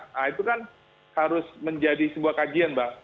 nah itu kan harus menjadi sebuah kajian mbak